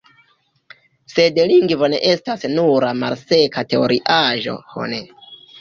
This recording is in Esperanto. Sed lingvo ne estas nura malseka teoriaĵo, ho ne!